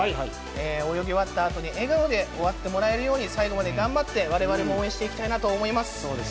泳ぎ終わったあとに笑顔で終わってもらえるように、最後まで頑張って、われわれも応援していきたいなと思います。